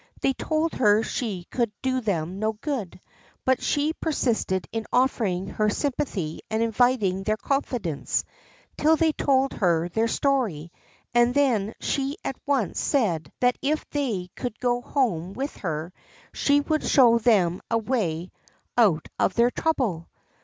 They told her she could do them no good; but she persisted in offering her sympathy and inviting their confidence, till they told her their story, and then she at once said that if they would go home with her she would show them a way out of their trouble.